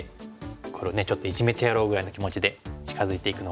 これをちょっとイジメてやろうぐらいの気持ちで近づいていくのか。